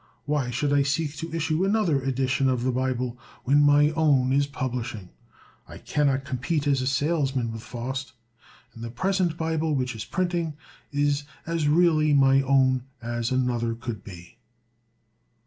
Why should I seek to issue another edition of the Bible, when my own is publishing? I cannot compete as a salesman with Faust; and the present Bible which is printing is as really my own as another could be."